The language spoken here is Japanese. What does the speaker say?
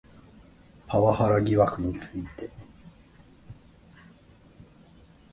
パワハラ疑惑について